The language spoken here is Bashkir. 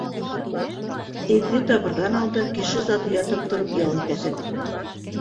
— Эҙҙе табырҙан алда кеше заты ятып тороп ял итәсәк.